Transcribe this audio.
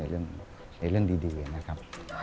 ในในเรื่องดีนะครับ